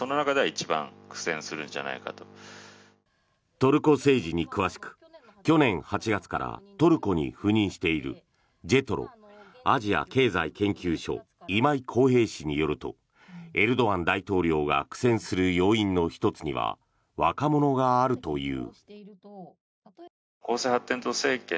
トルコ政治に詳しく去年８月からトルコに赴任しているジェトロ・アジア経済研究所今井宏平氏によるとエルドアン大統領が苦戦する要因の１つには若者があるという。